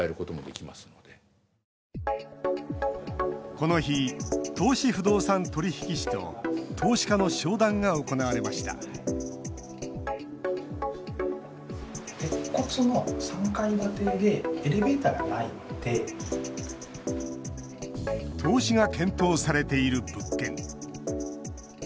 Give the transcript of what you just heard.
この日、投資不動産取引士と投資家の商談が行われました投資が検討されている物件。